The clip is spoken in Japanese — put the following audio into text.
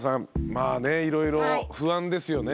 まあねいろいろ不安ですよね。